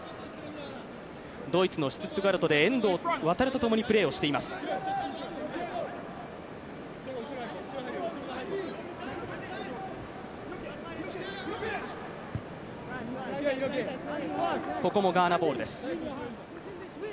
ドイツのシュツットガルトで遠藤航とともにプレーしています。